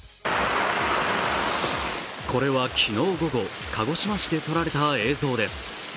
これは昨日午後、鹿児島市で撮られた映像です。